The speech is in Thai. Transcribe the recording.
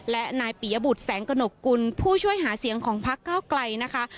และนายปียบุตรแสงกระหนกกุลผู้ช่วยหาเสียงของพักเก้าไกลนะคะ